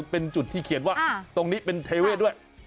เป็นจุดที่เขียนว่าตรงนี้เป็นเทเวศด้วย